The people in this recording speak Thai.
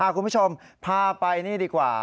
คุณผู้ชมพาไปนี่ดีกว่า